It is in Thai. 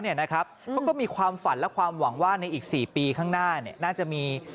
เขาก็มีความฝันและความหวังว่าในอีก๔ปีข้างหน้าน่าจะมี